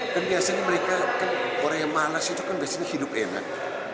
kan biasanya mereka orang yang malas itu kan biasanya hidup enak